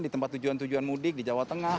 di tempat tujuan tujuan mudik di jawa tengah